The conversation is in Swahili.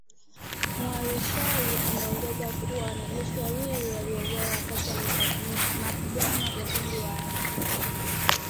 Mualushayi ameongeza kuwa, wanajeshi wawili waliuawa wakati wa mapigano na kundi waasi.